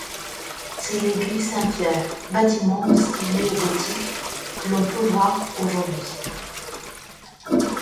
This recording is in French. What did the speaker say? C’est l'église Saint-Pierre, bâtiment de style néo-gothique que l’on peut voir aujourd’hui.